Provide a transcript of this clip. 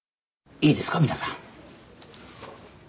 いいですか皆さん。